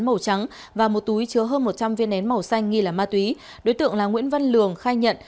màu trắng và một túi chứa hơn một trăm linh viên nén màu xanh nghi là ma túy đối tượng là nguyễn văn lường khai nhận